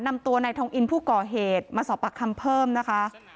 นำตัวนายทองอินผู้ก่อเหตุมาสอบปากคำเพิ่มนะคะ